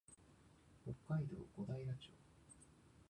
北海道小平町